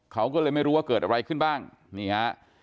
เขาก็เลยไม่รู้ว่าเกิดอะไรขึ้นบ้างนี่ฮะ